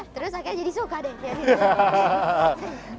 terus akhirnya jadi suka deh